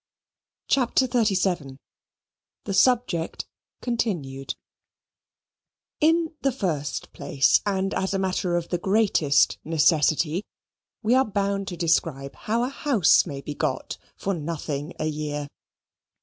CHAPTER XXXVII The Subject Continued In the first place, and as a matter of the greatest necessity, we are bound to describe how a house may be got for nothing a year.